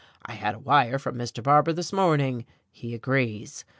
I had a wire from Mr. Barbour this morning he agrees.